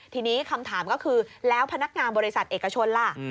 ทีนี้คำถามก็คือแล้วพนักงานบริษัทเอกชนล่ะ